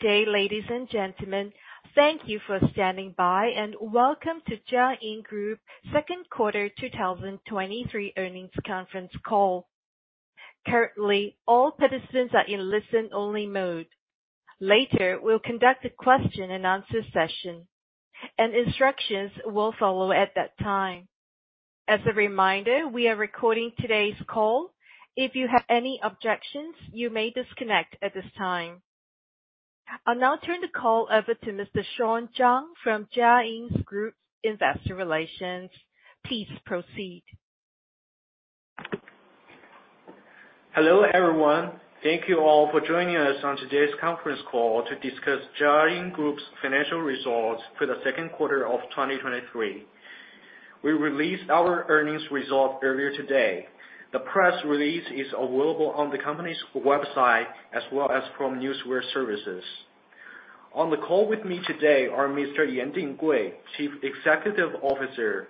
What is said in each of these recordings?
Good day, ladies and gentlemen. Thank you for standing by, and welcome to Jiayin Group second quarter 2023 earnings conference call. Currently, all participants are in listen-only mode. Later, we'll conduct a question-and-answer session, and instructions will follow at that time. As a reminder, we are recording today's call. If you have any objections, you may disconnect at this time. I'll now turn the call over to Mr. Shawn Zhang from Jiayin Group's Investor Relations. Please proceed. Hello, everyone. Thank you all for joining us on today's conference call to discuss Jiayin Group's financial results for the second quarter of 2023. We released our earnings result earlier today. The press release is available on the company's website as well as from newswire services. On the call with me today are Mr. Yan Dinggui, Chief Executive Officer,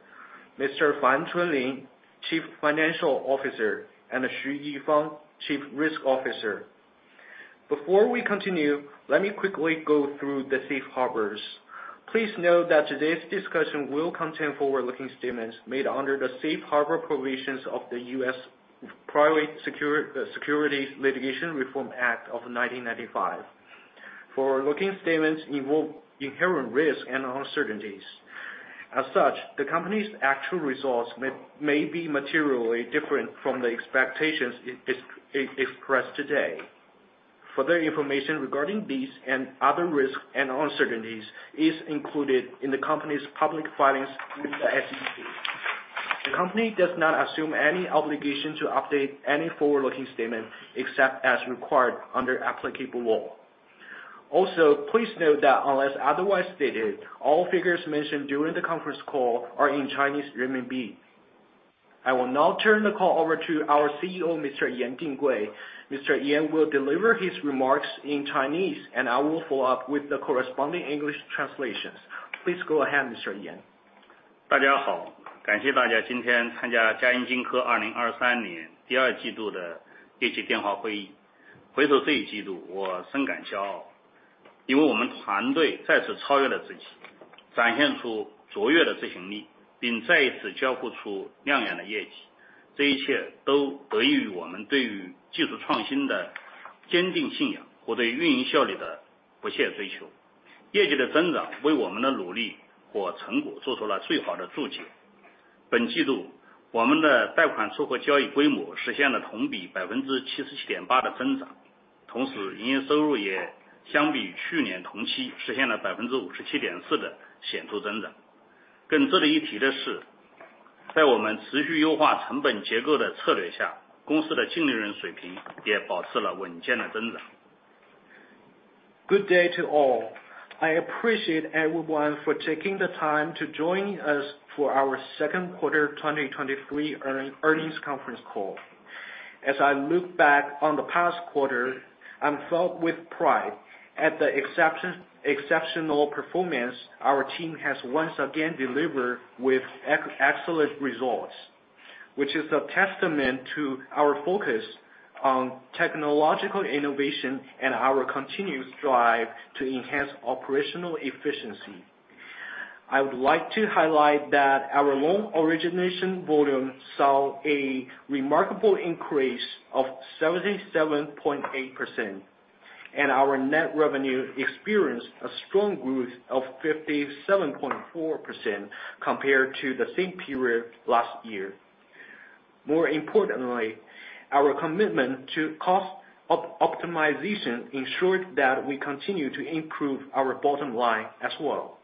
Mr. Fan Chunlin, Chief Financial Officer, and Xu Yifang, Chief Risk Officer. Before we continue, let me quickly go through the Safe Harbor. Please note that today's discussion will contain forward-looking statements made under the Safe Harbor provisions of the U.S. Private Securities Litigation Reform Act of 1995. Forward-looking statements involve inherent risks and uncertainties. As such, the company's actual results may, may be materially different from the expectations expressed today. Further information regarding these and other risks and uncertainties is included in the company's public filings with the SEC. The company does not assume any obligation to update any forward-looking statement, except as required under applicable law. Also, please note that unless otherwise stated, all figures mentioned during the conference call are in Chinese renminbi. I will now turn the call over to our CEO, Mr. Yan Dinggui. Mr. Yan will deliver his remarks in Chinese, and I will follow up with the corresponding English translations. Please go ahead, Mr. Yan. (大 家 好， 感谢大家今天参加佳音荆轲二零二三年第二季度的业绩电话会议。回头这一季 度， 我深感骄 傲， 因为我们团队再次超越了自 己， 展现出卓越的执行 力， 并再一次交付出亮眼的业绩。这一切都得益于我们对于技术创新的坚定信仰和对于运营效率的不懈追求。)(业绩的增长为我们的努力和成果做出了最好的注解。本季 度， 我们的贷款撮合交易规模实现了同比百分之七十七点八的增 长， 同时营业收入也相比于去年同期实现了百分之五十七点四的显著增长。更值得一提的 是， 在我们持续优化成本结构的策略 下， 公司的净利润水平也保持了稳健的增长。) Good day to all. I appreciate everyone for taking the time to join us for our second quarter 2023 earnings conference call. As I look back on the past quarter, I'm filled with pride at the exceptional performance our team has once again delivered with excellent results, which is a testament to our focus on technological innovation and our continuous drive to enhance operational efficiency. I would like to highlight that our loan origination volume saw a remarkable increase of 77.8%, and our net revenue experienced a strong growth of 57.4% compared to the same period last year. More importantly, our commitment to cost optimization ensured that we continue to improve our bottom line as well.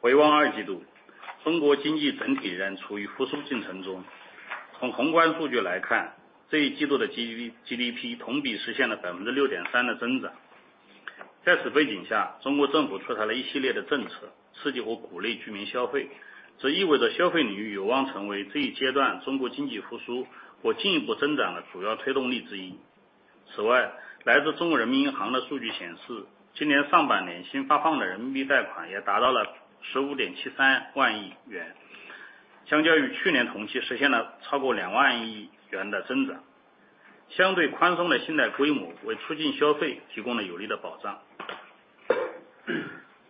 (回望 2Q, China 经济整体仍处于复苏进程 中. 从宏观数据 来看, 这一季度的 GDP, GDP year-over-year 实现了 6.3% 的 增长. 在此背景 下, China 政府出台了一系列的 政策, 刺激和鼓励居民 消费, 这意味着消费领域有望成为这一阶段 China 经济复苏和进一步增长的主要推动力 之一. 此外, 来自 People's Bank of China 的数据 显示, 今年上半年新发放的 RMB 贷款也达到了 RMB 15.73 trillion, 相较于去年同期实现了超过 RMB 2 trillion 的 增长, 相对宽松的信贷规模为促进消费提供了有力的 保障.)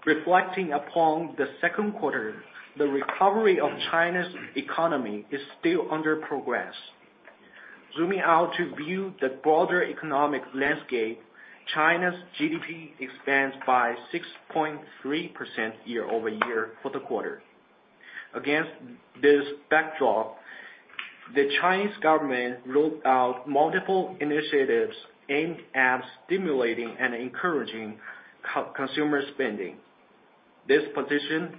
Reflecting upon the second quarter, the recovery of China's economy is still under progress. Zooming out to view the broader economic landscape, China's GDP expands by 6.3% year-over-year for the quarter. Against this backdrop, the Chinese government rolled out multiple initiatives aimed at stimulating and encouraging consumer spending. This positions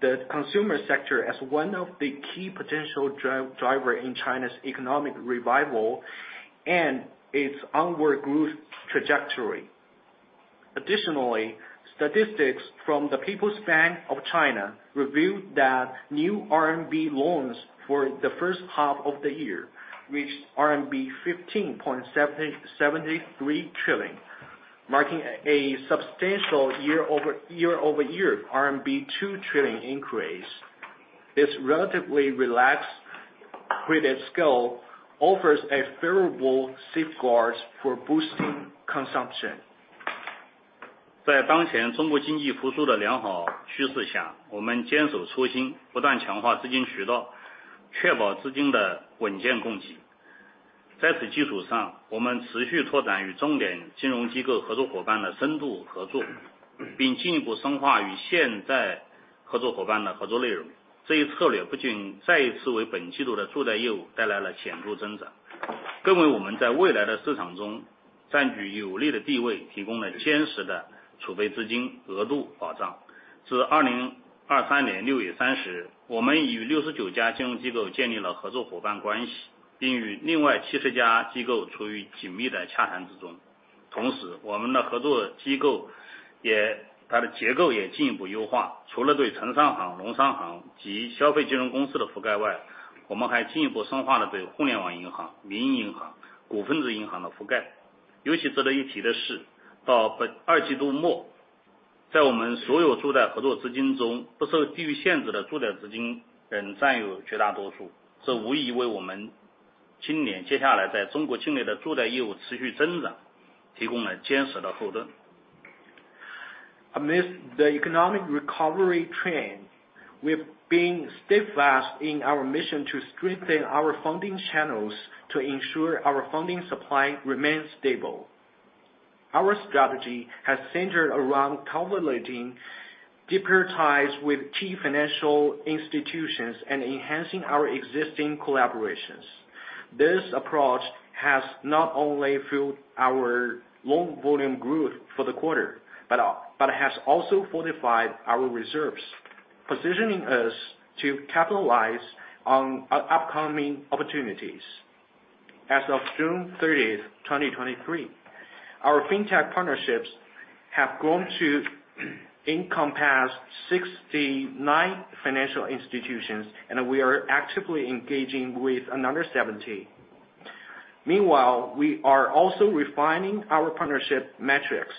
the consumer sector as one of the key potential driver in China's economic revival and its onward growth trajectory. Additionally, statistics from the People's Bank of China revealed that new RMB loans for the first half of the year reached RMB 15.73 trillion, marking a substantial year-over-year RMB 2 trillion increase. Its relatively relaxed credit scale offers a favorable safeguards for boosting consumption. (在 当前中国经济复苏的良好趋势 下， 我们坚守初 心， 不断强化资金渠 道， 确保资金的稳健供给。在此基础 上， 我们持续拓展与重点金融机构合作伙伴的深度合 作， 并进一步深化与现在合作伙伴的合作内容。这一策略不仅再一次为本季度的助贷业务带来了显著增长，) (更 为我们在未来的市场中占据有利的地 位， 提供了坚实的储备资金额度保障。至二零二三年六月三十 日， 我们已与六十九家金融机构建立了合作伙伴关 系， 并与另外七十家机构处于紧密的洽谈之中。同 时， 我们的合作机构也它的结构也进一步优 化， 除了对城商行、农商行及消费金融公司的覆盖外)， (我 们还进一步深化了对互联网银行、民营银行、股份制银行的覆盖。尤其值得一提的 是， 到本二季度末 ，在 我们所有助贷合作资金 中， 不受地域限制的助贷资金仍占有绝大多 数， 这无疑为我们今年接下来在中国境内的助贷业务持续增长提供了坚实的后盾。) Amidst the economic recovery trend, we've been steadfast in our mission to strengthen our funding channels to ensure our funding supply remains stable. Our strategy has centered around cultivating deeper ties with key financial institutions and enhancing our existing collaborations. This approach has not only fueled our long volume growth for the quarter, but has also fortified our reserves, positioning us to capitalize on upcoming opportunities. As of June 30, 2023, our Fintech partnerships have grown to encompass 69 financial institutions, and we are actively engaging with another 70. Meanwhile, we are also refining our partnership metrics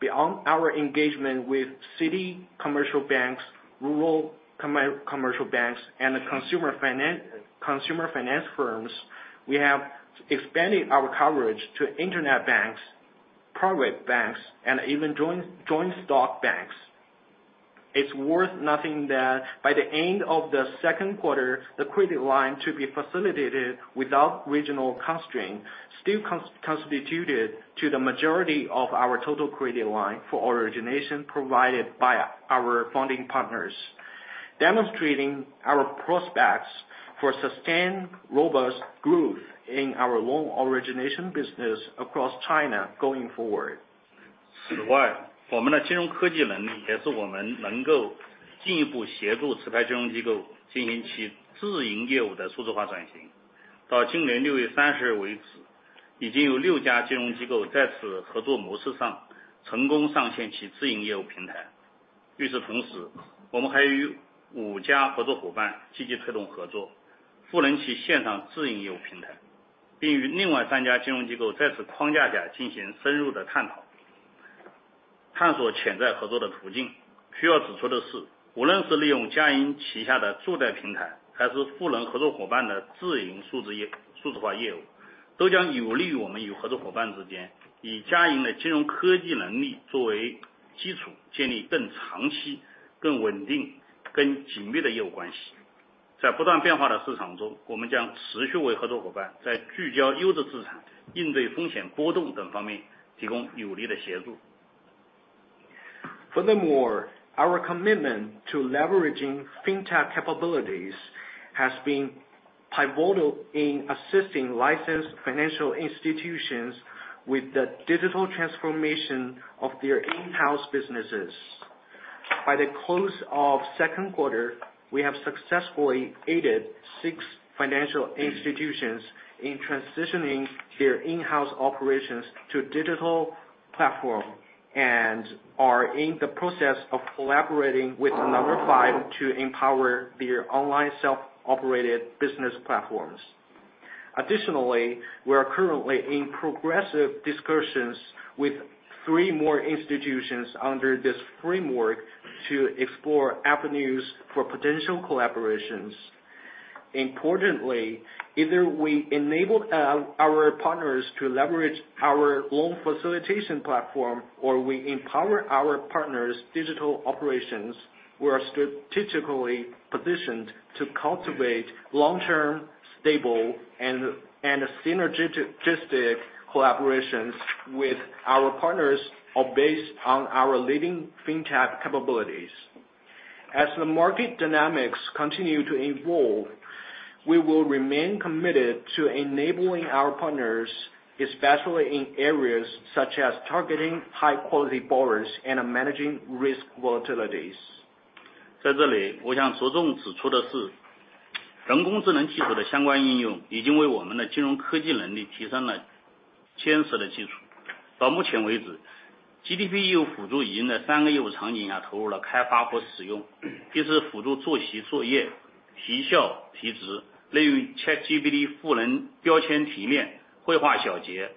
beyond our engagement with city commercial banks, rural commercial banks, and consumer finance firms, we have expanded our coverage to Internet banks, private banks, and even joint stock banks. It's worth noting that by the end of the second quarter, the credit line to be facilitated without regional constraint still constituted to the majority of our total credit line for origination provided by our funding partners, demonstrating our prospects for sustained, robust growth in our loan origination business across China going forward. (此 外， 我们的金融科技能 力， 也是我们能够进一步协助持牌金融机构进行其自营业务的数字化转型。到今年六月三十日为 止， 已经有六家金融机构在此合作模式上成功上线其自营业务平台。与此同 时， 我们还与五家合作伙伴积极推动合 作， 赋能其线上自营业务平 台， 并与另外三家金融机构在此框架下进行深入的探讨，)(探索潜在合作的途径。需要指出的 是， 无论是利用佳音旗下的助贷平 台， 还是赋能合作伙伴的自营数字 业， 数字化业 务， 都将有利于我们与合作伙伴之 间， 以佳银的金融科技能力作为基 础， 建立更长期、更稳定、更紧密的业务关系。在不断变化的市场 中， 我们将持续为合作伙伴在聚焦优质资产、应对风险波动等方面提供有力的协助。) Furthermore, our commitment to leveraging Fintech capabilities has been pivotal in assisting licensed financial institutions with the digital transformation of their in-house businesses. By the close of 2nd quarter, we have successfully aided six financial institutions in transitioning their in-house operations to digital platform, and are in the process of collaborating with another five to empower their online self-operated business platforms. Additionally, we are currently in progressive discussions with three more institutions under this framework to explore avenues for potential collaborations. Importantly, either we enable our partners to leverage our loan facilitation platform, or we empower our partners digital operations, we are strategically positioned to cultivate long-term, stable and synergistic collaborations with our partners are based on our leading Fintech capabilities. As the market dynamics continue to evolve, we will remain committed to enabling our partners, especially in areas such as targeting high quality borrowers and managing risk volatilities. (在这 里， 我想着重指出的 是， 人工智能技术的相关应用已经为我们的金融科技能力提升了坚实的基础。到目前为止 ，GDP 业务辅助已经在三个业务场景下投入了开发或使 用， 第一次辅助作息作业。)(提效、提 质， 例如 ChatGPT 赋能标签提炼、绘画小结、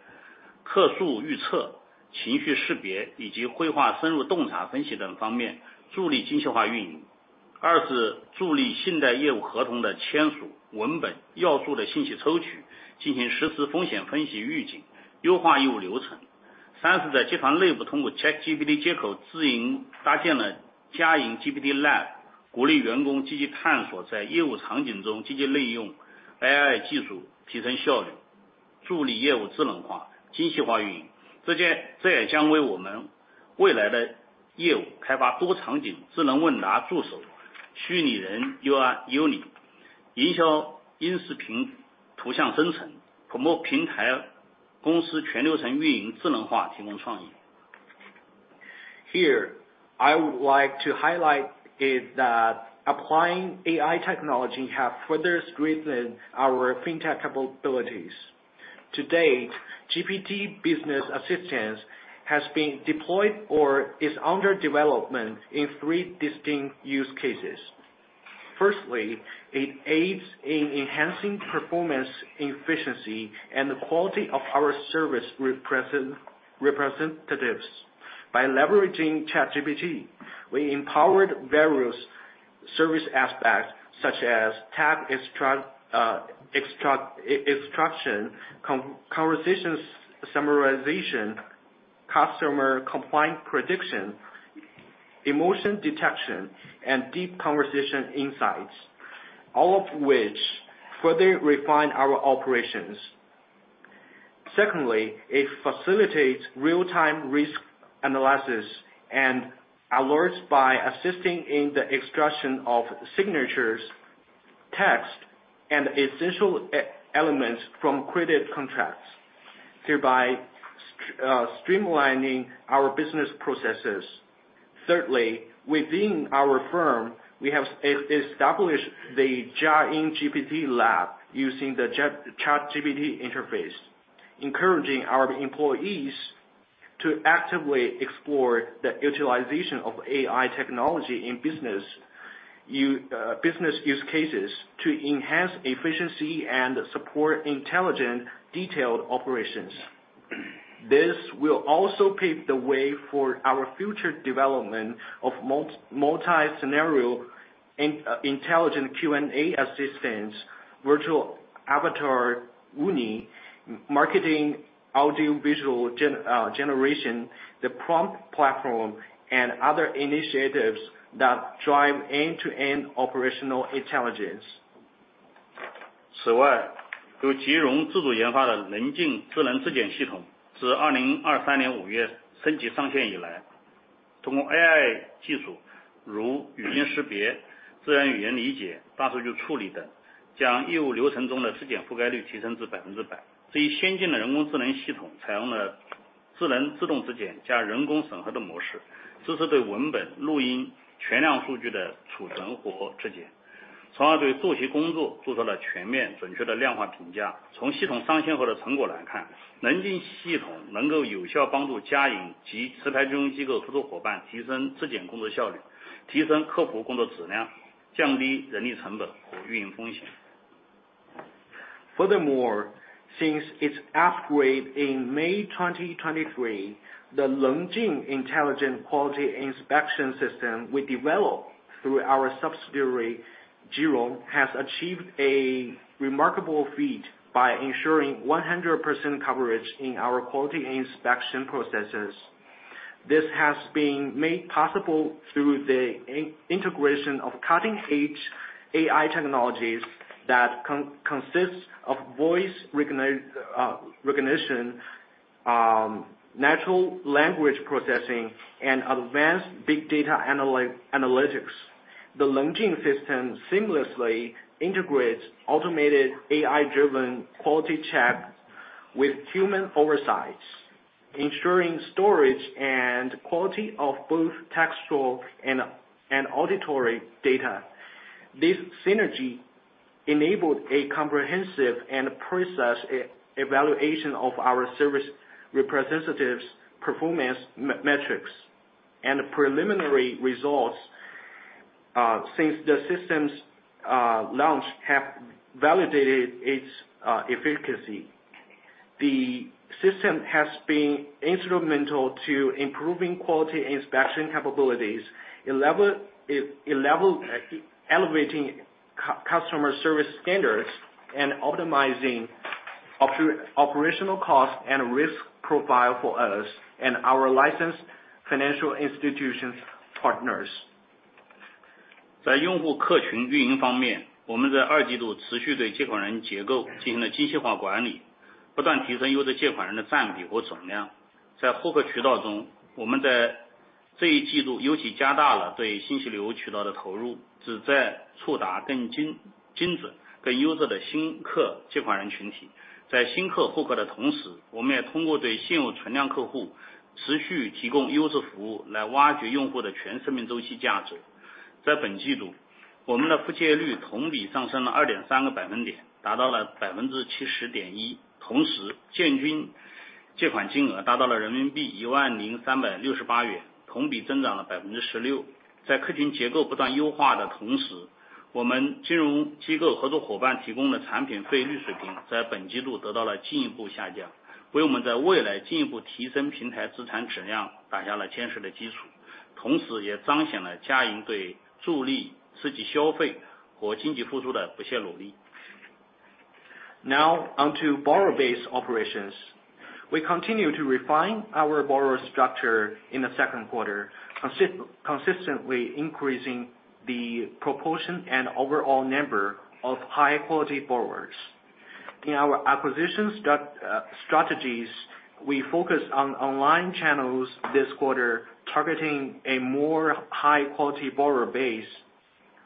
客诉预测、情绪识 别， 以及绘画深入洞察分析等方 面， 助力精细化运营。二是助力信贷业务合同的签 署， 文本要素的信息抽 取， 进行实时风险分析预警，优化业务流程。)(三是在集团内部通过 ChatGPT 接 口， 自营搭建了 Jiayin GPT Lab， 鼓励员工积极探 索， 在业务场景中积极利用 AI 技 术， 提升效 率， 助力业务智能化、精细化运营。这也将为我们未来的业务开发多场景智能问答助手、虚拟人 UI Uni、营销音视频图像生 成， Prompt platform， 公司全流程运营智能化提供创意。) Here, I would like to highlight is that applying AI technology have further strengthen our Fintech capabilities. To date, GPT business assistance has been deployed or is under development in three distinct use cases. Firstly, it aids in enhancing performance, efficiency, and quality of our service representatives. By leveraging ChatGPT, we empowered various service aspects such as extract, e-extraction, conversation summarization, customer complaint prediction, emotion detection, and deep conversation insights, all of which further refine our operations. Secondly, it facilitates real-time risk analysis and alerts by assisting in the extraction of signatures, text, and essential e-elements from credit contracts, thereby streamlining our business processes. Thirdly, within our firm, we have established the Jiayi GPT Lab using the ChatGPT interface, encouraging our employees to actively explore the utilization of AI technology in business use cases to enhance efficiency and support intelligent, detailed operations. This will also pave the way for our future development of multi-scenario intelligent Q&A assistance, virtual avatar Uni, marketing, audio visual generation, the Prompt platform, and other initiatives that drive end-to-end operational intelligence. (此 外， 由吉荣自主研发的能静智能质检系 统， 自2023年5月升级上线以 来， 通过 AI 技 术， 如语音识别、自然语言理解、大数据处理 等， 将业务流程中的质检覆盖率提升至 100%。这一先进的人工智能系 统， 采用了智能自动质检加人工审核的模 式， 支持对文本、录音全量数据的储存和质检，)(从而对作业工作做出了全面准确的量化评价。从系统上线后的成果来 看， 能静系统能够有效帮助佳银及持牌金融机构合作伙伴提升质检工作效 率， 提升客服工作质 量， 降低人力成本和运营风险。) Furthermore, since its upgrade in May 2023, the Lengjing Intelligent Quality Inspection System we developed through our subsidiary, Jirong, has achieved a remarkable feat by ensuring 100% coverage in our quality inspection processes. This has been made possible through the integration of cutting-edge AI technologies that consists of voice recognition, natural language processing, and advanced big data analytics. The Lengjing system seamlessly integrates automated AI-driven quality check with human oversights, ensuring storage and quality of both textual and auditory data. This synergy enabled a comprehensive and precise evaluation of our service representatives' performance metrics, and preliminary results since the system's launch, have validated its efficacy. The system has been instrumental to improving quality inspection capabilities, elevating customer service standards, and optimizing operational costs and risk profile for us and our licensed financial institutions partners. (在 用户客群运营方 面， 我们在二季度持续对借款人结构进行了精细化管 理， 不断提升优质借款人的占比和总量。在获客渠道 中， 我们在这一季度尤其加大了对信息流渠道的投 入， 旨在触达更精准、更优质的新客借款人群体。在新客获客的同 时， 我们也通过对现有存量客户持续提供优质服 务， 来挖掘用户的全生命周期价值。) (在 本季 度， 我们的复借率同比上升了 2.3 percentage points， 达到了 70.1%， 同 时， 健均-...) (借 款金额达到了人民币一万零三百六十八亿 元， 同比增长了百分之十六。在客群结构不断优化的同 时， 我们金融机构合作伙伴提供的产品费率水平在本季度得到了进一步下 降， 为我们在未来进一步提升平台资产质量打下了坚实的基 础， 同时也彰显了家银对助力刺激消费和经济复苏的不懈努力。) Now on to borrower base operations. We continue to refine our borrower structure in the second quarter, consistently increasing the proportion and overall number of high quality borrowers. In our acquisition strategies, we focus on online channels this quarter, targeting a more high quality borrower base.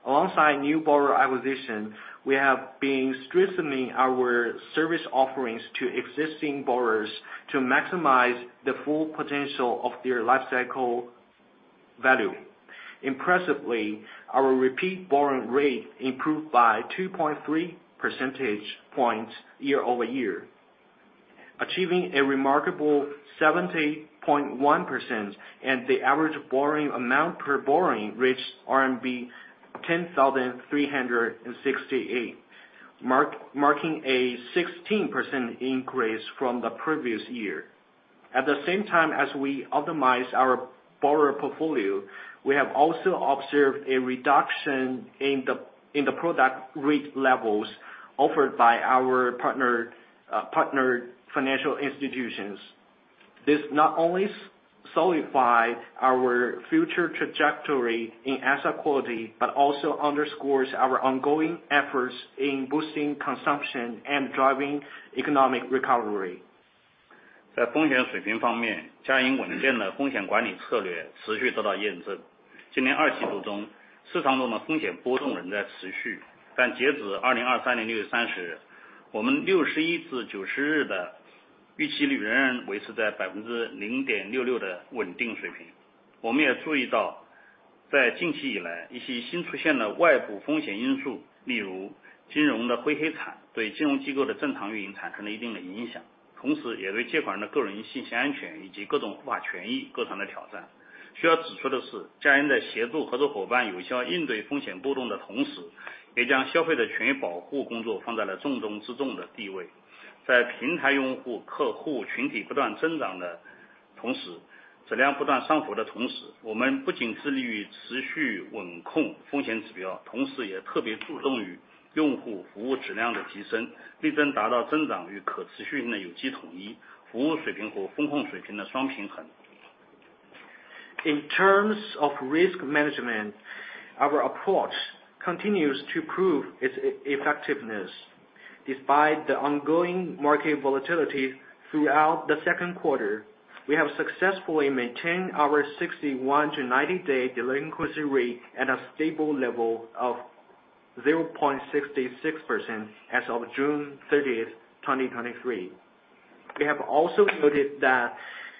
Alongside new borrower acquisition, we have been strengthening our service offerings to existing borrowers to maximize the full potential of their life cycle value. Impressively, our repeat borrowing rate improved by 2.3 percentage points year-over-year, achieving a remarkable 70.1%, and the average borrowing amount per borrowing reached RMB 10,368, marking a 16% increase from the previous year. At the same time as we optimize our borrower portfolio, we have also observed a reduction in the product rate levels offered by our partner financial institutions. This not only solidify our future trajectory in asset quality, but also underscores our ongoing efforts in boosting consumption and driving economic recovery. (在 风险水平方 面， Jiayin 稳定的风险管理策略持续得到验证。今年二季度 中， 市场中的风险波动仍在持 续， 但截止 June 30, 2023， 我们 61-90 days 的预期率仍然维持在 0.66% 的稳定水平。我们也注意 到， 在近期以来一些新出现的外部风险因 素， 例如金融的灰黑 产， 对金融机构的正常运营产生了一定的影 响， 同时也对借款人的个人信息安全以及各种合法权益构成了挑战。需要指出的 是， Jiayin 在协助合作伙伴有效应对风险波动的同 时， 也将消费者的权益保护工作放在了重中之重的地位。在平台用户客户群体不断增长的同 时， 质量不断上浮的同 时， 我们不仅致力于持续稳控风险指 标， 同时也特别注重于用户服务质量的提 升， 力争达到增长与可持续性的有机统 一， 服务水平和风控水平的双平衡。) In terms of risk management, our approach continues to prove its effectiveness. Despite the ongoing market volatility throughout the second quarter, we have successfully maintained our 61-90 day delinquency rate at a stable level of 0.66% as of June 30, 2023. We have also noted that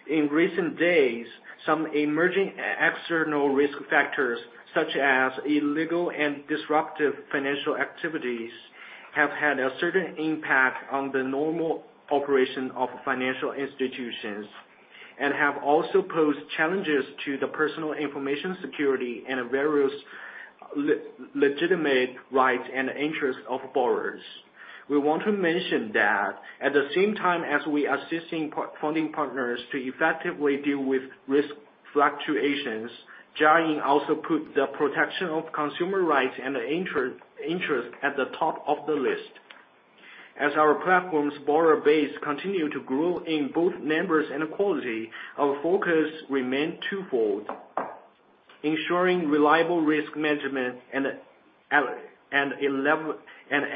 in recent days, some emerging external risk factors, such as illegal and disruptive financial activities, have had a certain impact on the normal operation of financial institutions, and have also posed challenges to the personal information security and various legitimate rights and interests of borrowers. We want to mention that at the same time as we are assisting funding partners to effectively deal with risk fluctuations, Jiayin also put the protection of consumer rights and interests at the top of the list. As our platform's borrower base continue to grow in both numbers and quality, our focus remain twofold: ensuring reliable risk management and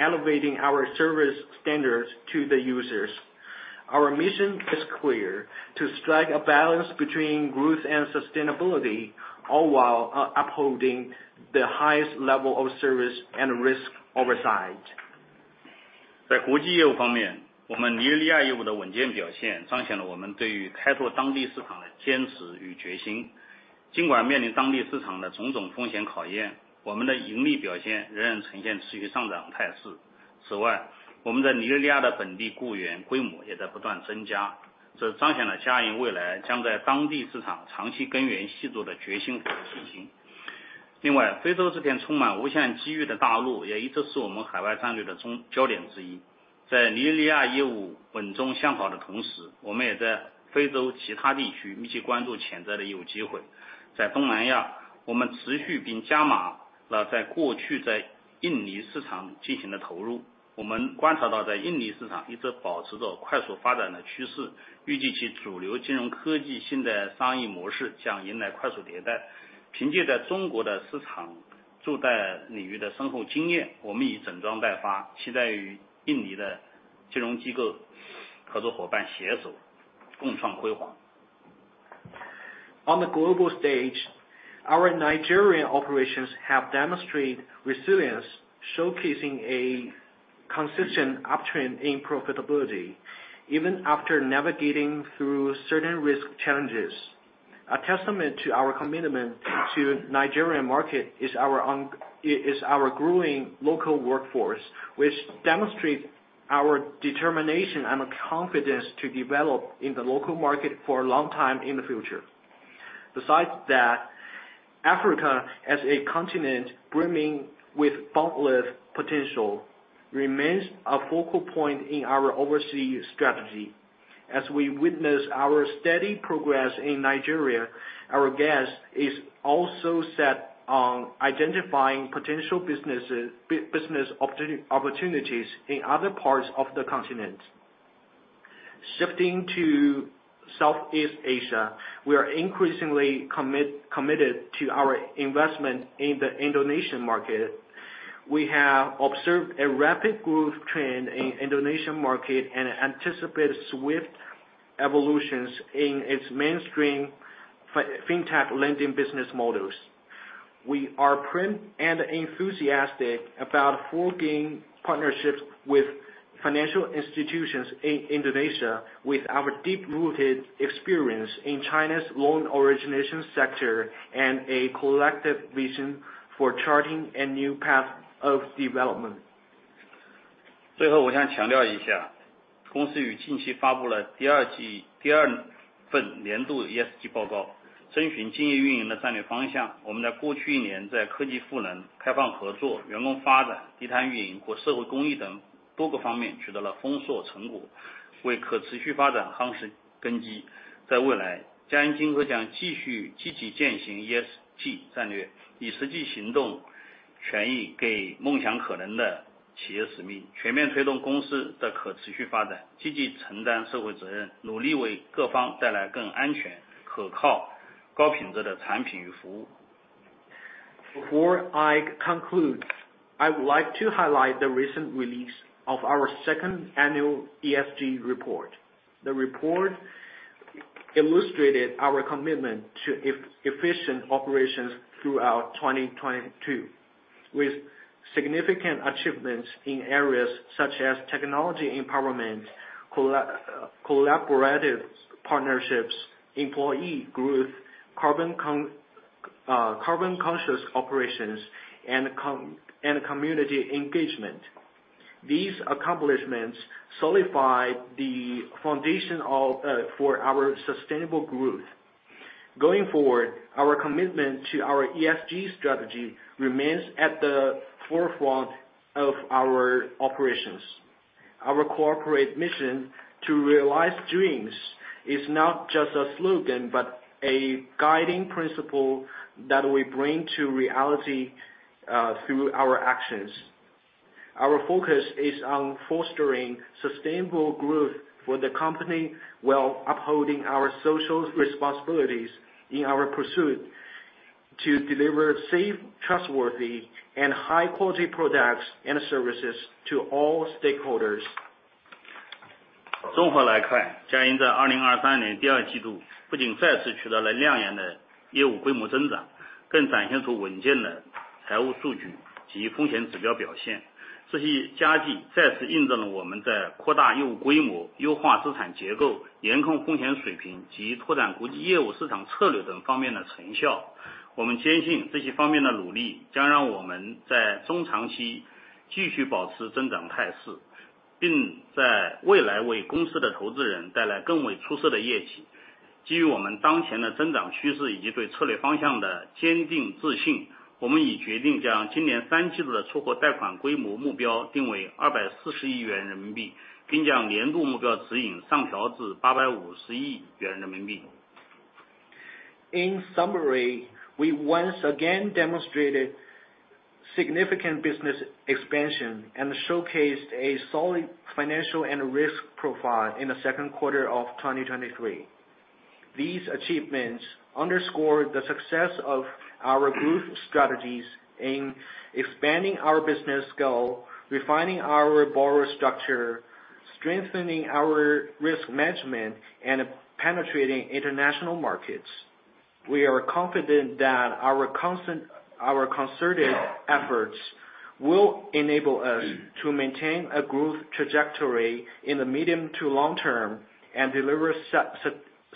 elevating our service standards to the users. Our mission is clear: to strike a balance between growth and sustainability, all while upholding the highest level of service and risk oversight. (在国际业务方 面， 我们尼日利亚业务的稳健表 现， 彰显了我们对于开拓当地市场的坚持与决心。尽管面临当地市场的种种风险考 验， 我们的盈利表现仍然呈现持续上涨的态势。此 外， 我们在尼日利亚的本地雇员规模也在不断增加，)(这彰显了嘉银未来将在当地市场长期根源细作的决心和信心。另 外， 非洲这片充满无限机遇的大 陆， 也一直是我们海外战略的重焦点之一。在尼日利亚业务稳中向好的同 时， 我们也在非洲其他地区密切关注潜在的业务机会。在东南 亚， 我们持续并加码了在过去在印尼市场进行的投入。)(我们观察 到， 在印尼市场一直保持着快速发展的趋 势， 预计其主流金融科技新的商业模式将迎来快速迭代。凭借着中国的市场助贷领域的深厚经 验， 我们已整装待 发， 期待与印尼的金融机构合作伙伴携手共创辉 煌。) On the global stage, our Nigerian operations have demonstrated resilience, showcasing a consistent uptrend in profitability, even after navigating through certain risk challenges. A testament to our commitment to Nigerian market is our growing local workforce, which demonstrates our determination and confidence to develop in the local market for a long time in the future. Besides that, Africa, as a continent brimming with boundless potential, remains a focal point in our overseas strategy. As we witness our steady progress in Nigeria, our guest is also set on identifying potential businesses, business opportunity, opportunities in other parts of the continent. Shifting to Southeast Asia, we are increasingly committed to our investment in the Indonesian market. We have observed a rapid growth trend in Indonesian market and anticipate swift evolutions in its mainstream Fintech lending business models. We are firm and enthusiastic about forging partnerships with financial institutions in Indonesia, with our deep-rooted experience in China's loan origination sector and a collective vision for charting a new path of development. Before I conclude, I would like to highlight the recent release of our 2nd annual ESG report. The report illustrated our commitment to efficient operations throughout 2022, with significant achievements in areas such as technology empowerment, collaborative partnerships, employee growth, carbon-conscious operations, and community engagement. These accomplishments solidify the foundation for our sustainable growth. Our commitment to our ESG strategy remains at the forefront of our operations. Our corporate mission to realize dreams is not just a slogan, but a guiding principle that we bring to reality through our actions. Our focus is on fostering sustainable growth for the company, while upholding our social responsibilities in our pursuit to deliver safe, trustworthy and high-quality products and services to all stakeholders. In summary, we once again demonstrated significant business expansion and showcased a solid financial and risk profile in the second quarter of 2023. These achievements underscore the success of our growth strategies in expanding our business scale, refining our borrower structure, strengthening our risk management, and penetrating international markets. We are confident that our concerted efforts will enable us to maintain a growth trajectory in the medium to long term and deliver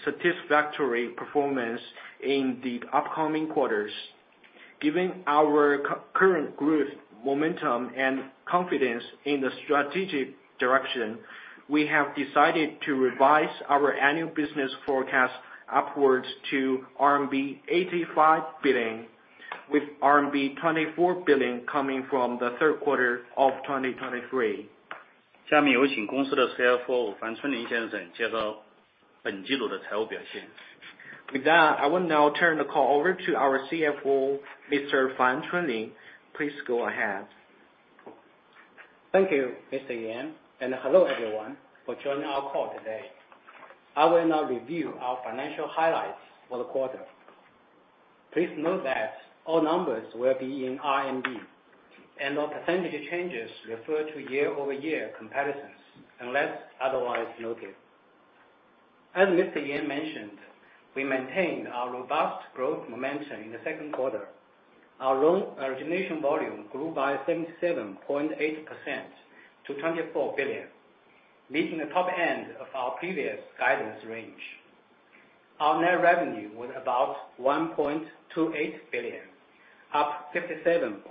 satisfactory performance in the upcoming quarters. Given our current growth, momentum, and confidence in the strategic direction, we have decided to revise our annual business forecast upwards to RMB 85 billion, with RMB 24 billion coming from the 3rd quarter of 2023. With that, I will now turn the call over to our CFO, Mr. Fan Chunlin. Please go ahead. Thank you, Mr. Yan, hello, everyone, for joining our call today. I will now review our financial highlights for the quarter. Please note that all numbers will be in RMB, and all percentage changes refer to year-over-year comparisons, unless otherwise noted. As Mr. Yan mentioned, we maintained our robust growth momentum in the second quarter. Our loan origination volume grew by 77.8% to 24 billion. Meeting the top end of our previous guidance range. Our net revenue was about 1.28 billion, up 57.4%.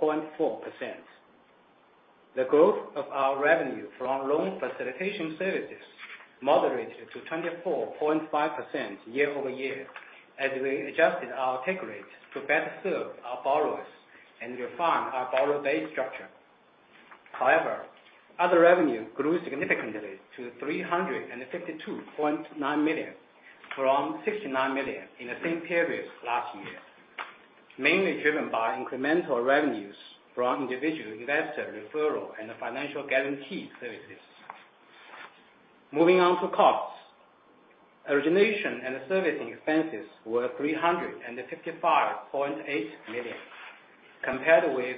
The growth of our revenue from loan facilitation services moderated to 24.5% year-over-year, as we adjusted our take rate to better serve our borrowers and refine our borrower base structure. However, other revenue grew significantly to 352.9 million, from 69 million in the same period last year, mainly driven by incremental revenues from individual investor referral and financial guarantee services. Moving on to costs. Origination and servicing expenses were 355.8 million, compared with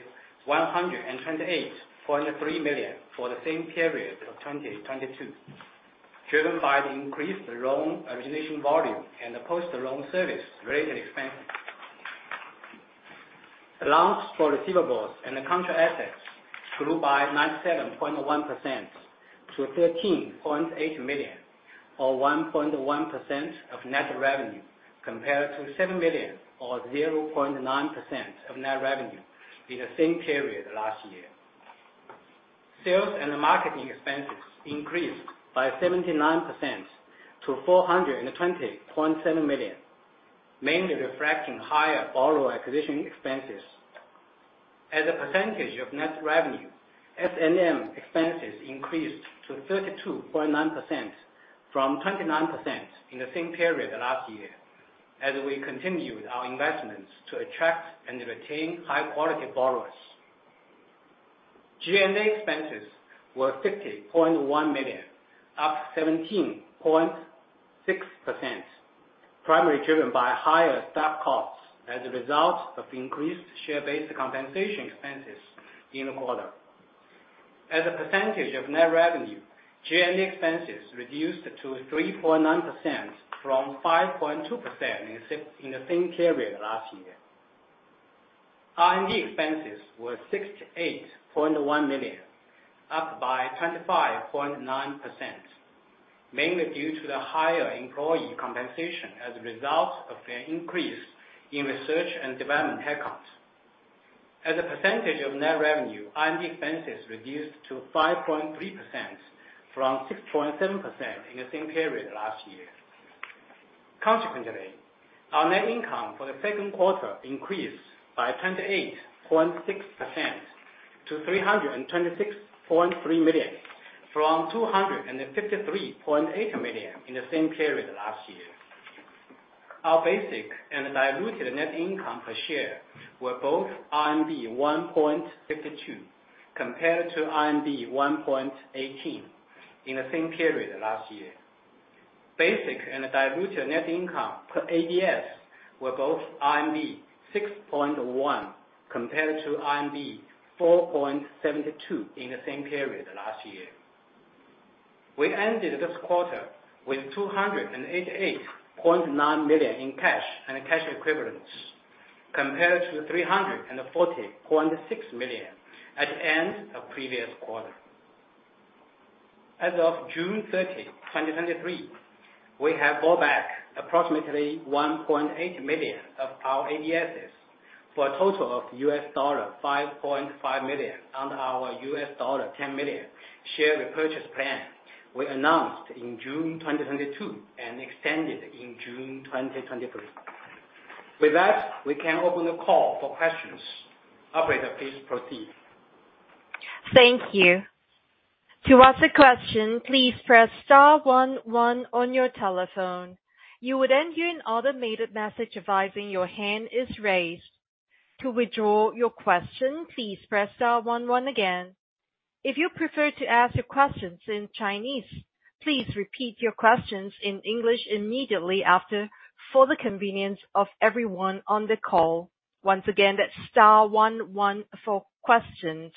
128.3 million for the same period of 2022, driven by the increased loan origination volume and the post-loan service related expenses. Allowance for receivables and account assets grew by 97.1% to 13.8 million, or 1.1% of net revenue, compared to 7 million or 0.9% of net revenue in the same period last year. Sales and marketing expenses increased by 79% to 420.7 million, mainly reflecting higher borrower acquisition expenses. As a percentage of net revenue, S&M expenses increased to 32.9% from 29% in the same period last year, as we continued our investments to attract and retain high-quality borrowers. G&A expenses were 50.1 million, up 17.6%, primarily driven by higher staff costs as a result of increased share-based compensation expenses in the quarter. As a percentage of net revenue, G&A expenses reduced to 3.9% from 5.2% in the same period last year. R&D expenses were 68.1 million, up by 25.9%, mainly due to the higher employee compensation as a result of an increase in research and development headcount. As a percentage of net revenue, R&D expenses reduced to 5.3% from 6.7% in the same period last year. Consequently, our net income for the second quarter increased by 28.6% to 326.3 million, from 253.8 million in the same period last year. Our basic and diluted net income per share were both RMB 1.52, compared to RMB 1.18 in the same period last year. Basic and diluted net income per ADS were both RMB 6.1, compared to RMB 4.72 in the same period last year. We ended this quarter with 288.9 million in cash and cash equivalents, compared to 340.6 million at the end of previous quarter. As of June 30th, 2023, we have bought back approximately 1.8 million of our ADSs, for a total of $5.5 million under our $10 million share repurchase plan we announced in June 2022 and extended in June 2023. With that, we can open the call for questions. Operator, please proceed. Thank you. To ask a question, please press star one one on your telephone. You would then hear an automated message advising your hand is raised. To withdraw your question, please press star one one again. If you prefer to ask your questions in Chinese, please repeat your questions in English immediately after, for the convenience of everyone on the call. Once again, that's star one one for questions.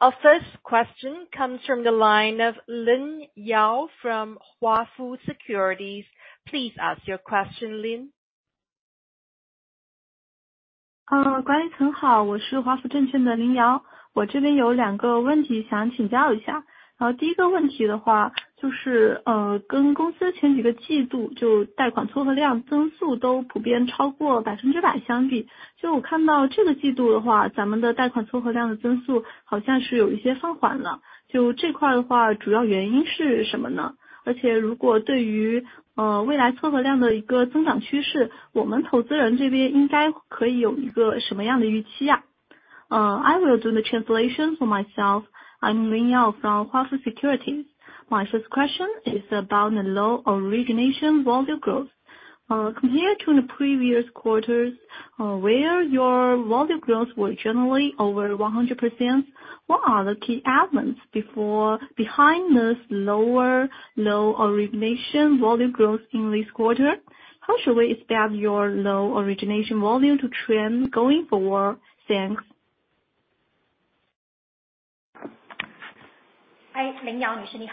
Our first question comes from the line of Lin Yao from Huafu Securities. Please ask your question, Lin. I will do the translation for myself. I'm Lin Yao from Huafu Securities. My first question is about the low origination volume growth. Compared to the previous quarters, where your volume growth were generally over 100%, what are the key elements behind this lower low origination volume growth in this quarter? How should we expect your low origination volume to trend going forward? Thanks. Hi, Lin Yao, nice to meet you.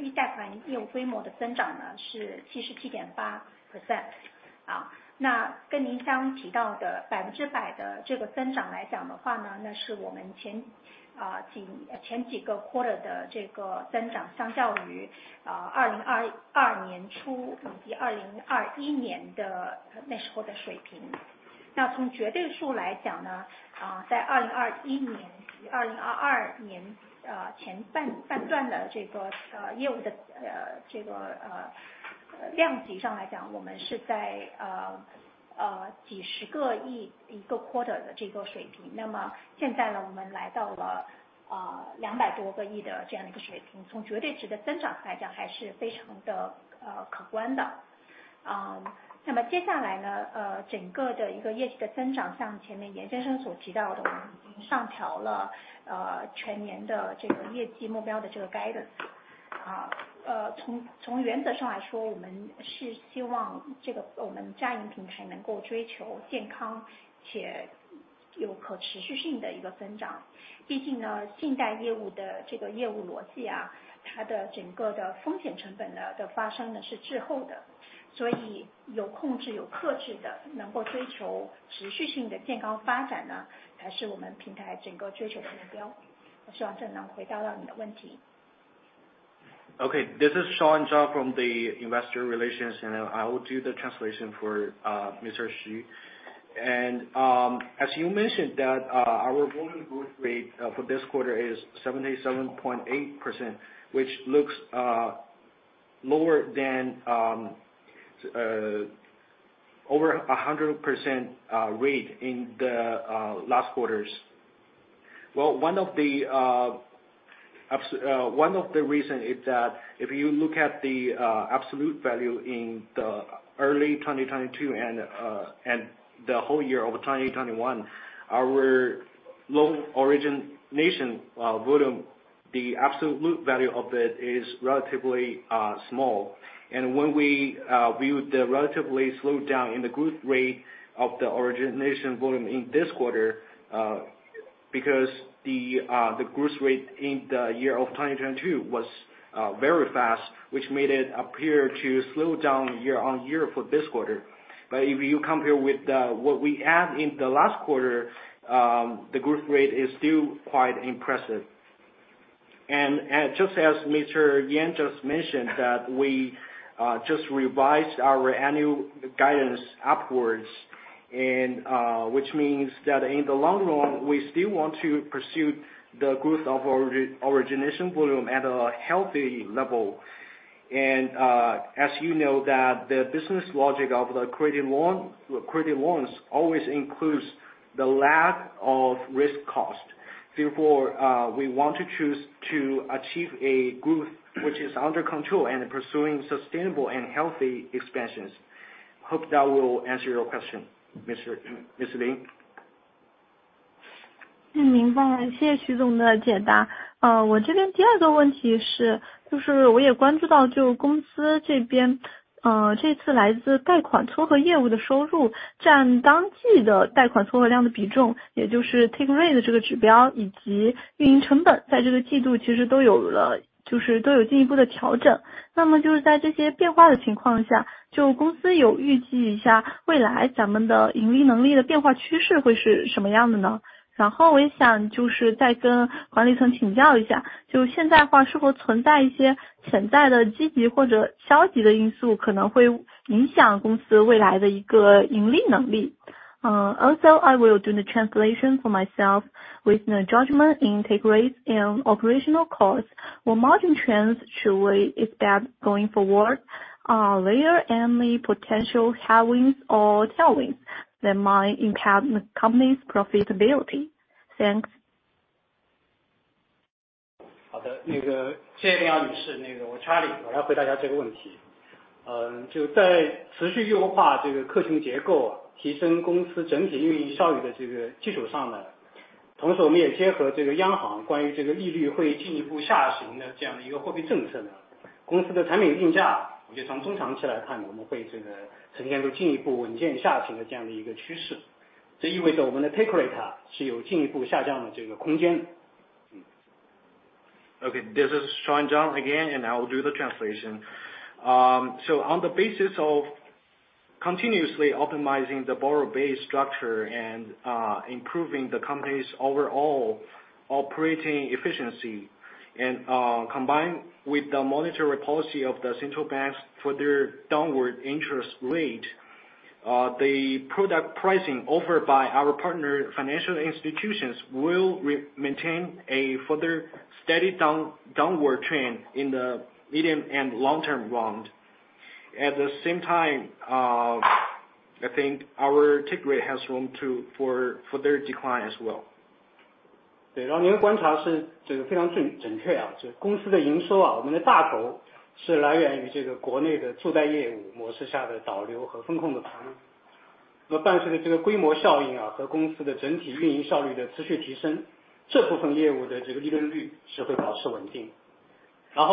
(易 贷款业务规模的增长是 77.8%。跟您刚刚提到的 100% 的这个增长来讲的 话， 那是我们前几个 quarter 的这个增 长， 相较于 early 2022以及2021的那时候的水平。从绝对数来 讲， 在2021及2022年前半段的这个业务的这个量级上来 讲， 我们是在 RMB tens of billions 一个 quarter 的这个水平，)(那么现在我们来到了 over RMB 20 billion 的这样一个水 平， 从绝对值的增长来 讲， 还是非常的可观的。那么接下 来， 整个的一个业绩的增 长， 像前面 Mr. Yan Dinggui 所提到 的， 我们已经上调了全年的这个业绩目标的这个 guidance。从原则上来 说， 我们是希望这个我们 Jiayin platform 能够追求健康且有可持续性的一个增长。)(毕 竟， 信贷业务的这个业务逻 辑， 它的整个的风险成本的发生是滞后 的， 所以有控制有克制 的， 能够追求持续性的健康发 展， 才是我们平台整个追求的目标。我希望这能回答到你的问题。) Okay, this is Shawn Zhang from the investor relations, and I will do the translation for Mr. Xu. As you mentioned, our volume growth rate for this quarter is 77.8%, which looks lower than over 100% rate in the last quarters. One of the reason is that if you look at the absolute value in the early 2022 and the whole year over 2021, our loan origination volume, the absolute value of it is relatively small. When we view the relatively slowed down in the growth rate of the origination volume in this quarter, because the growth rate in the year of 2022 was very fast, which made it appear to slow down year-over-year for this quarter. If you compare with the what we had in the last quarter, the growth rate is still quite impressive. Just as Mr. Yan just mentioned that we just revised our annual guidance upwards, and which means that in the long run, we still want to pursue the growth of our origination volume at a healthy level. As you know that the business logic of the credit loan, credit loans always includes the lack of risk cost. Therefore, we want to choose to achieve a growth which is under control and pursuing sustainable and healthy expansions. Hope that will answer your question, Mr., Miss Lin. ( 明白，谢谢徐总的解答。我这边第二个问题是，我也关注到，公司这边，这次来自贷款撮合业务的收入，占当季的贷款撮合量的比重，也就是 take rate Also, I will do the translation for myself with the judgment in take rate and operational cost or margin trends should we expect going forward? Later, any potential headwinds or tailwinds that might impact the company's profitability? Thanks. (好 的， 那 个， 谢谢廖女 士， 那个我 Charlie， 我来回答一下这个问题。呃， 就在持续优化这个客群结 构， 提升公司整体运营效率的这个基础上 呢， 同时我们也结合这个央行关于这个利率会进一步下行的这样一个货币政策呢，)(公司的产品定 价， 我就从中长期来 看， 我们会这个呈现出进一步稳健下行的这样一个趋 势， 这意味着我们的 take rate 是有进一步下降的这个空间。嗯。) This is Shawn Zhang again. I will do the translation. On the basis of continuously optimizing the borrow base structure, improving the company's overall operating efficiency, combined with the monetary policy of the central banks for their downward interest rate, the product pricing offered by our partner financial institutions will maintain a further steady downward trend in the medium and long term bond. At the same time, I think our take rate has room for further decline as well. ( 对， 然后您的观察是这个非常 准， 准确 啊， 这公司的营收 啊， 我们的大头是来源于这个国内的助贷业务模式下的导流和风控的服务。那么伴随着这个规模效应 啊， 和公司的整体运营效率的持续提 升， 这部分业务的这个利润率是会保持稳定。然后呢，)(在我们的这个 revenue 里头 呢， 有一个 other revenue 的这样一个科 目， 里面还包括了这个我们的担保业务和海外业务等几个细分 项。... 那么其中的担保业务最近两个季度 啊， 起量是比较快的。这一块业务 呢， 目前的这个整体的利润率 呢， 是略低于我们的导流和风控业务。) The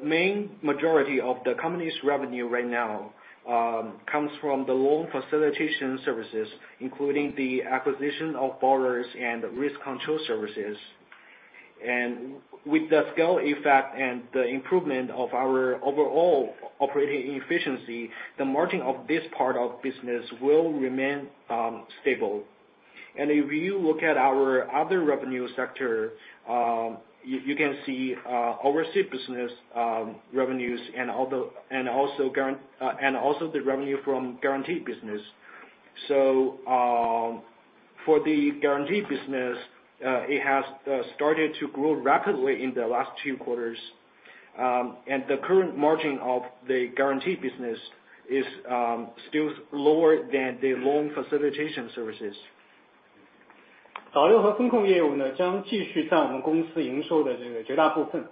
main majority of the company's revenue right now, comes from the loan facilitation services, including the acquisition of borrowers and risk control services. With the scale effect and the improvement of our overall operating efficiency, the margin of this part of business will remain, stable. If you look at our other revenue sector, you, you can see our overseas business revenues and also the revenue from guarantee business. For the guarantee business, it has started to grow rapidly in the last 2 quarters. The current margin of the guarantee business is still lower than the loan facilitation services. (导流和风控业务 呢， 将继续在我们公司营收的这个绝大部 分，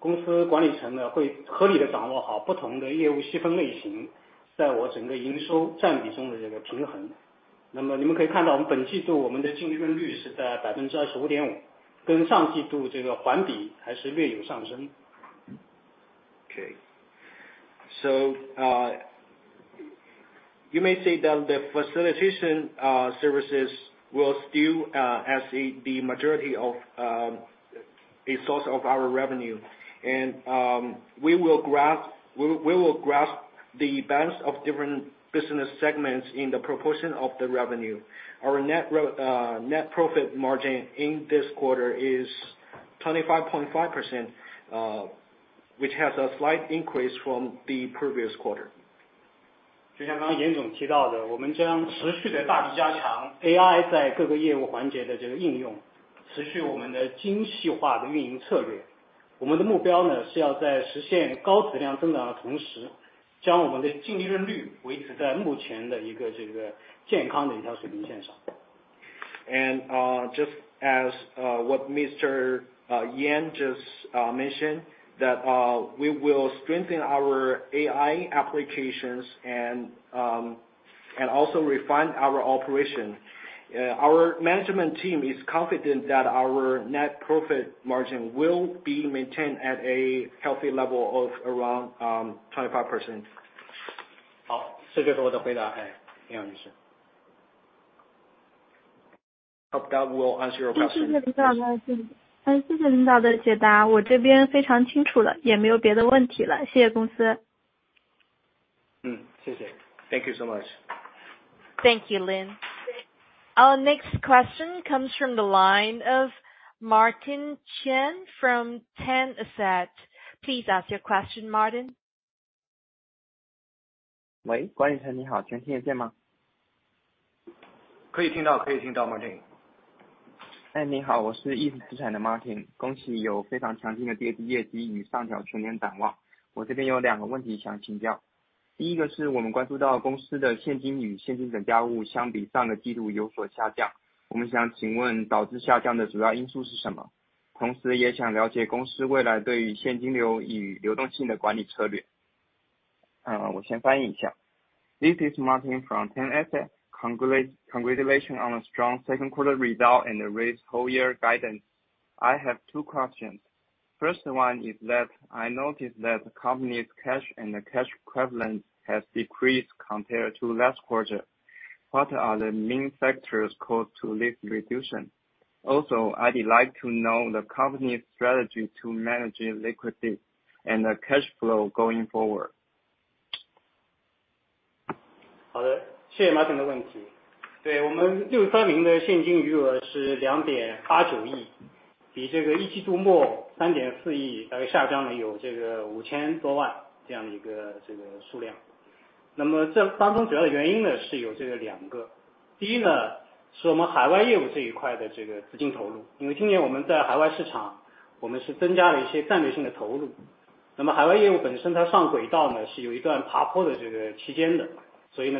公司管理层 呢， 会合理地掌握好不同的业务细分类 型， 在我整个营收占比中的这个平衡。那么你们可以看 到， 我们本季度我们的净利润率是在百分之二十五点 五， 跟上季度这个环比还是略有上升。) You may say that the facilitation services will still as the majority of a source of our revenue. We will grasp, we, we will grasp the balance of different business segments in the proportion of the revenue. Our net re net profit margin in this quarter is 25.5%, which has a slight increase from the previous quarter. (就像刚刚严总提到 的， 我们将持续地大力加强 AI 在各个业务环节的这个应 用， 持续我们的精细化的运营策略。我们的目标 呢， 是要在实现高质量增长的同 时， 将我们的净利润率维持在目前的一个这个健康的一条水平线上。) Just as what Mr. Yan just mentioned that we will strengthen our AI applications and also refine our operation. Our management team is confident that our net profit margin will be maintained at a healthy level of around 25%. 好，这就是我的回答。哎，杨女士。Hope that will answer your question. (谢谢领导 的， 谢谢领导的解 答， 我这边非常清楚 了， 也没有别的问题了。谢谢公司 ！谢 谢. ) Thank you so much. Thank you, Lin. Our next question comes from the line of Martin Chen from Ten Asset. Please ask your question, Martin. ( 喂， 关宇 成， 你 好， 能听得见吗？)(可以听 到， 可以听到，) Martin. ( 你好， 我是 East 资产的 Martin， 恭喜有非常强劲的第二季业绩与上调全年展望。我这边有两个问题想请 教， 第一个是我们关注到公司的现金与现金等价物相比上的季度有所下降。我们想请问导致下降的主要因素是什 么？ 同时也想了解公司未来对于现金流与流动性的管理策略。我先翻译一下。) This is Martin from Ten Asset. Congratulation on a strong second quarter result and a raised whole year guidance. I have two questions. First one is that I noticed that the company's cash and cash equivalents has decreased compared to last quarter. What are the main factors caused to this reduction? I'd like to know the company's strategy to managing liquidity and cash flow going forward. ( 好的，谢谢 Martin 的问题。我们 6/30 的现金余额是 RMB 289 million，比这个一季度末 RMB 340 million 大概下降了有 RMB over 50 million 这样一个数量。这当中主要的原因呢，是有 2 个：第一，是我们海外业务这一块的资金投入，因为今年我们在海外市场我们是增加了一些战略性的投入，海外业务本身它上轨道呢，是有一段爬坡的期间的，它实现盈亏平衡，现金流转正呢，我们还需要一段时间。第二个原因，是我们的融单和反单保业务，最近一个季度，也有点起量，相应地保证金占用了部分的资金。) Just like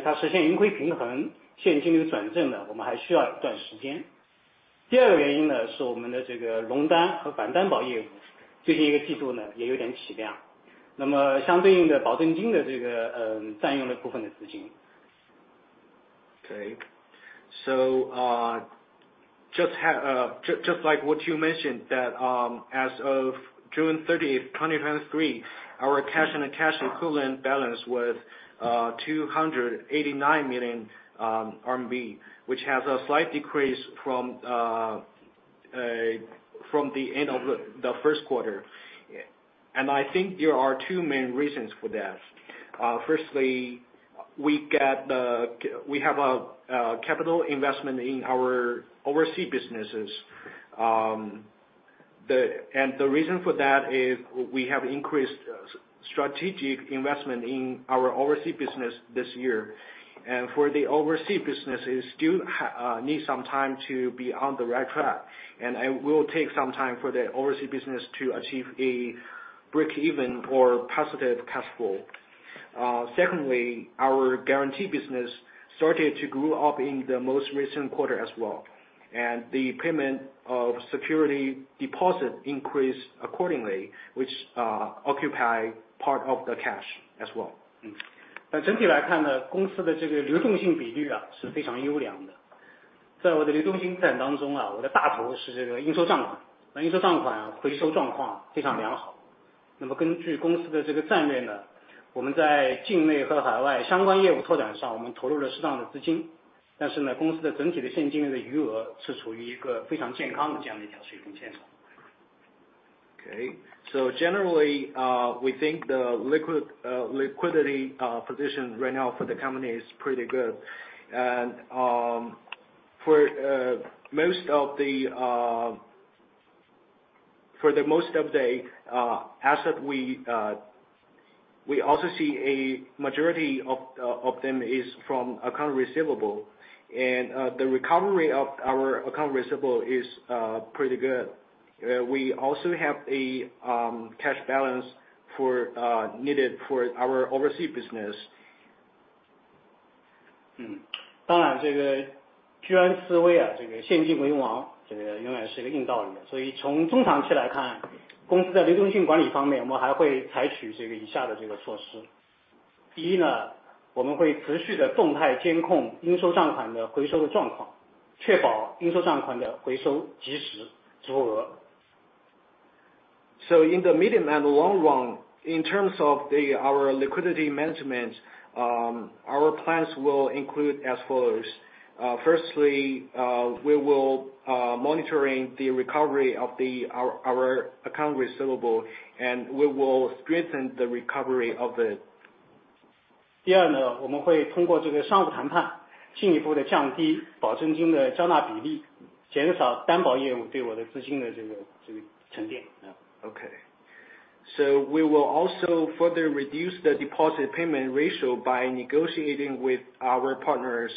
what you mentioned that as of June 30, 2023, our cash and cash equivalent balance was 289 million RMB, which has a slight decrease from the end of the first quarter. I think there are two main reasons for that. Firstly, a capital investment in our overseas businesses. The reason for that is we have increased strategic investment in our overseas business this year, and for the overseas business is still need some time to be on the right track, and it will take some time for the overseas business to achieve a breakeven or positive cash flow. Secondly, our guarantee business started to grow up in the most recent quarter as well, and the payment of security deposit increased accordingly, which occupy part of the cash as well. ( 整体来看，公司的流动性比例是非常优良的。在 我的流动性当中 啊， 我的大头是这个应收账 款， 应收账款回收状况非常良好。根据公司的这个战略 呢， 我们在境内和海外相关业务拓展 上， 我们投入了适当的资 金， 公司的整体的现金流的余额是处于一个非常健康的这样一条水平线上。) Generally, we think the liquidity position right now for the company is pretty good. For most of the, for the most of the asset, we also see a majority of, of them is from accounts receivable. The recovery of our accounts receivable is pretty good. We also have a cash balance for needed for our overseas business. ( 嗯， 当然这个居安思危 啊， 这个现金为 王， 这个永远是一个硬道理。所以从中长期来 看， 公司在流动性管理方 面， 我们还会采取这个以下的这个措施。第一 呢， 我们会持续地动态监控应收账款的回收的状 况， 确保应收账款的回收及时足额。) In the medium and long run, in terms of our liquidity management, our plans will include as follows. Firstly, we will monitoring the recovery of our accounts receivable, and we will strengthen the recovery of the- (第 二， 我们会通过这个商务谈 判， 进一步地降低保证金的交纳比 例， 减少担保业务对我的资金的这个沉 淀.) Okay, we will also further reduce the deposit payment ratio by negotiating with our partners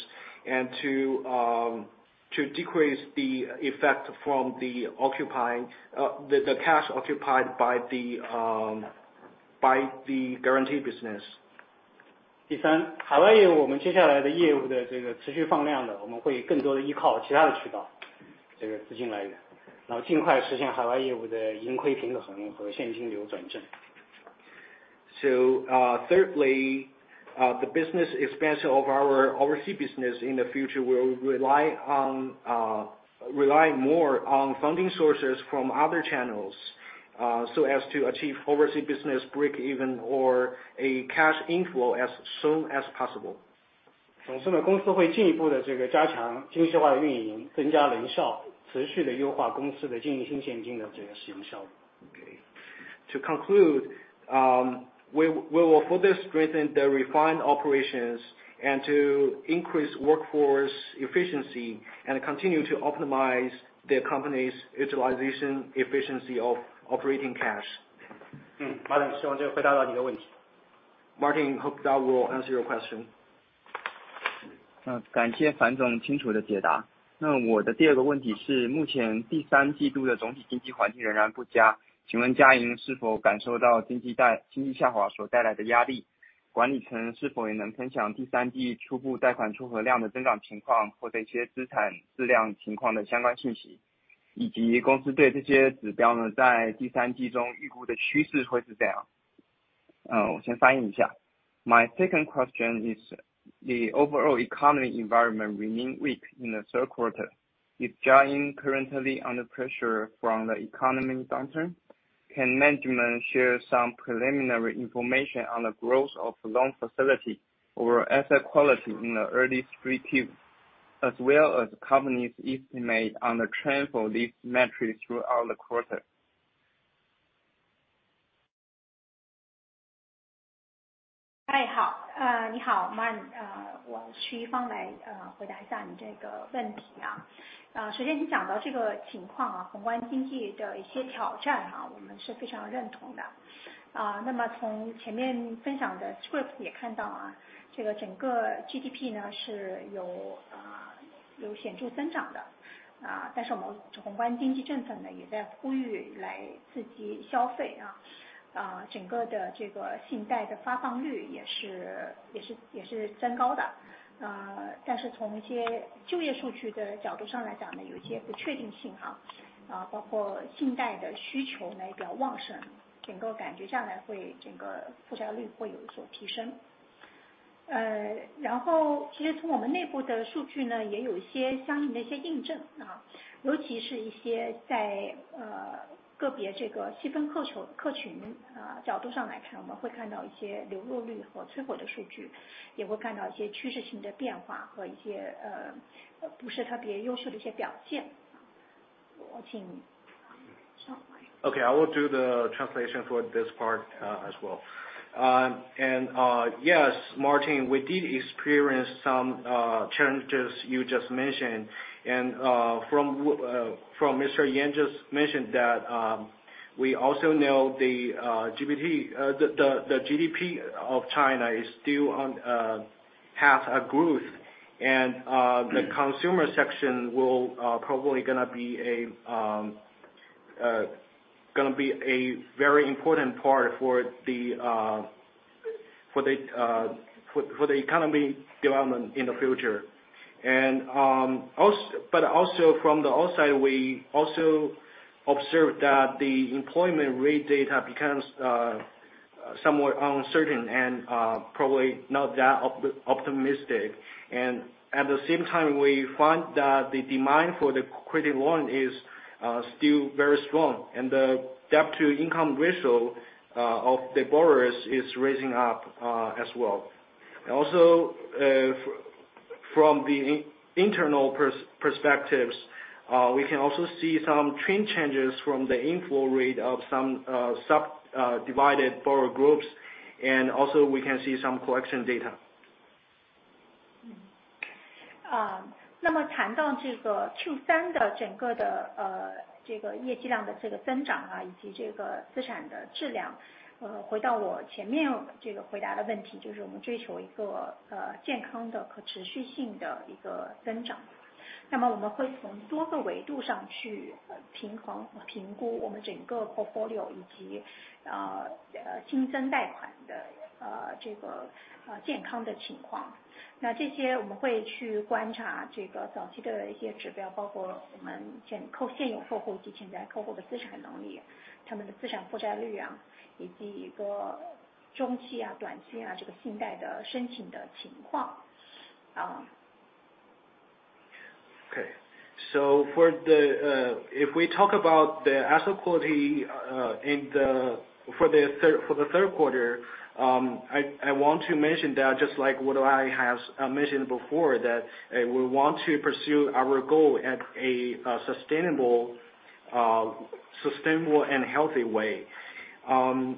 and to decrease the effect from the occupying, the cash occupied by the guarantee business. (第 三， 海外业 务， 我们接下来的业务的这个持续放量 的， 我们会更多地依靠其他的渠 道， 这个资金来 源， 然后尽快实现海外业务的盈亏平衡和现金流转正。) thirdly, the business expansion of our overseas business in the future will rely on, rely more on funding sources from other channels, so as to achieve overseas business break even or a cash inflow as soon as possible. ( 呢， 公司会进一步的这个加强精细化的运 营， 增加人 效， 持续地优化公司的经营性现金流的这个使用效果。) Okay. To conclude, we will further strengthen the refined operations and to increase workforce efficiency and continue to optimize the company's utilization efficiency of operating cash. Martin, (希望这个回答到你的问 题.) Martin, hope that will answer your question. (感谢樊总清楚的解答。我的第二个问题 是： 目前第三季度的总体经济环境仍然不 佳， 请问嘉银是否感受到经济 带， 经济下滑所带来的压 力？ 管理层是否也能分享第三季初步贷款出核量的增长情 况， 或一些资产质量情况的相关信 息， 以及公司对这些指标呢在第三季中预估的趋势会是怎 样？ 我先翻译一下。) My second question is the overall economy environment remain weak in the third quarter. If Jiayin currently under pressure from the economy downturn, can management share some preliminary information on the growth of loan facility or asset quality in the early 3Q, as well as company's estimate on the trend for these metrics throughout the quarter? (哎 好， 呃， 你好 ，Martin， 呃， 我徐芳 来， 呃， 回答一下你这个问题啊。呃， 首先你讲到这个情况 啊， 宏观经济的一些挑战 啊， 我们是非常认同的。呃， 那么从前面分享的 script 也看到 啊， 这个整个 GDP 呢， 是 有， 呃， 有显著增长 的， 呃， 但是我们宏观经济政策呢，)(也在呼吁来刺激消费 啊， 呃， 整个的这个信贷的发放率也 是， 也 是， 也是增高的。呃， 但是从一些就业数据的角度上来讲 呢， 有一些不确定性 啊， 呃， 包括信贷的需求呢也比较旺 盛， 整个感觉将来会整个负债率会有所提升。呃， 然后其实从我们内部的数据 呢， 也有一些相应的一些印证啊，)(尤其是一些在， 呃， 个别这个细分客 首， 客 群， 呃， 角度上来 看， 我们会看到一些流落率和催收的数 据， 也会看到一些趋势性的变化和一 些， 呃， 不是特别优秀的一些表现。我请你。) Okay, I will do the translation for this part as well. Yes, Martin, we did experience some challenges you just mentioned. From Mr. Yan just mentioned that we also know the GPT, the GDP of China is still on path of growth and the consumer section will probably gonna be a very important part for the economy development in the future. But also from the outside, we also observed that the employment rate data becomes somewhat uncertain and probably not that optimistic. At the same time, we find that the demand for the credit loan is still very strong, and the debt-to-income ratio of the borrowers is raising up as well. Also, from the internal perspectives, we can also see some trend changes from the inflow rate of some subdivided borrower groups, and also we can see some collection data. Uh, Okay. For the, if we talk about the asset quality, in the, for the third, for the third quarter, I, I want to mention that just like what I have mentioned before, that we want to pursue our goal at a sustainable, sustainable and healthy way. We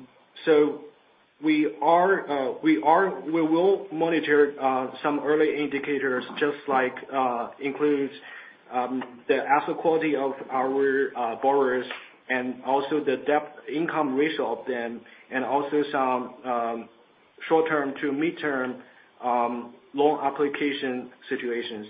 will monitor some early indicators, just like includes the asset quality of our borrowers, and also the debt-to-income ratio of them, and also some short-term to mid-term loan application situations.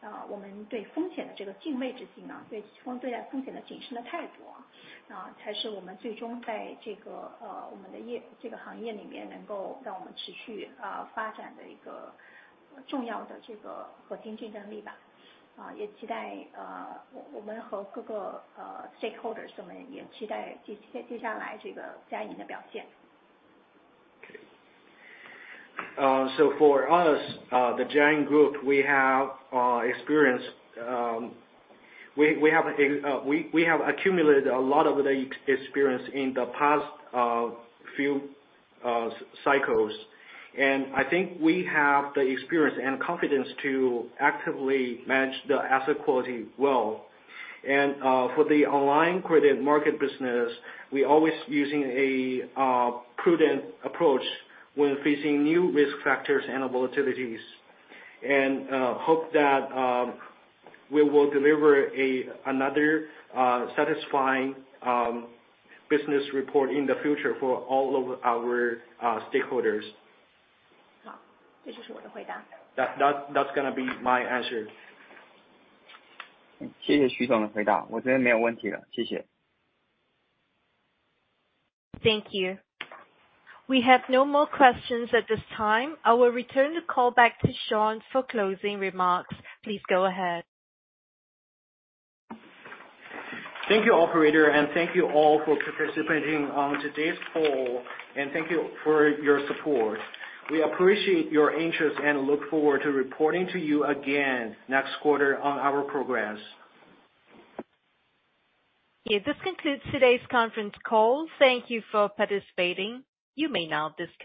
Okay. For us, the Jiayin Group, we have experience, we, we have, we, we have accumulated a lot of the experience in the past few cycles. I think we have the experience and confidence to actively manage the asset quality well. For the online credit market business, we always using a prudent approach when facing new risk factors and volatilities. Hope that we will deliver a another satisfying business report in the future for all of our stakeholders. That's gonna be my answer. Thank you. We have no more questions at this time. I will return the call back to Shawn for closing remarks. Please go ahead. Thank you, operator, and thank you all for participating on today's call. Thank you for your support. We appreciate your interest and look forward to reporting to you again next quarter on our progress. Okay, this concludes today's conference call. Thank you for participating. You may now disconnect.